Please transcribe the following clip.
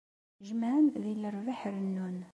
Jemmɛen di lerbaḥ rennun.